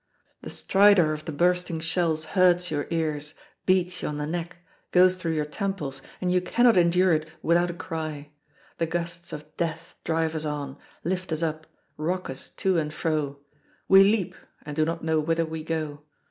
The stridor of the bursting shells hurts your ears, beats you on the neck, goes through your temples, and you cannot endure it without a cry. The gusts of death drive us on, lift us up, rock us to and fro. We leap, and do not know whither we go.